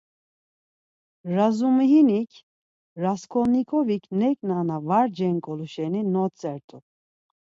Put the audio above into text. Razumihinik, Rasǩolnikovik neǩna na var cenǩolu şeni notzert̆u.